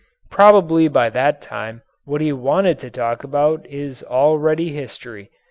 Probably by that time what he wanted to talk about is already history.